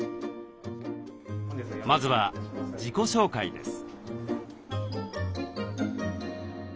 まずは自己紹介です。